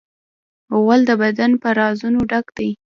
غول د بدن په رازونو ډک دی.